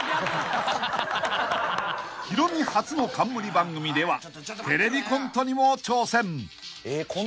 ［ヒロミ初の冠番組ではテレビコントにも挑戦］